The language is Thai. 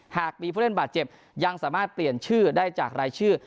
หากมีผู้เล่นบาดเจ็บยังสามารถเปลี่ยนชื่อได้จากรายชื่อ